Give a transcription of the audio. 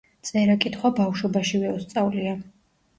წერა-კითხვა ბავშვობაშივე უსწავლია.